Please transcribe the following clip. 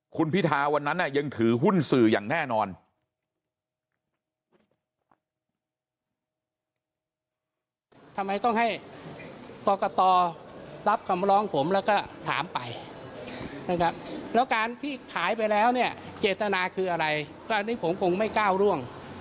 คุณพิทาวันนั้นยังถือหุ้นสื่ออย่างแน่นอน